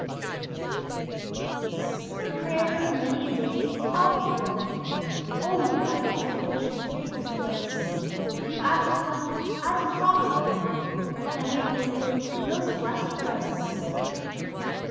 _) The prayer of many a day is all fulfilled, Only by full fruition stayed and stilled; You asked for blessing as your Father willed, Now He hath answered: 'Most blessed for ever!'